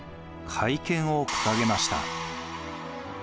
改憲を掲げました。